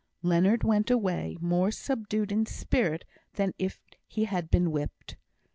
Leonard went away, more subdued in spirit than if he had been whipped.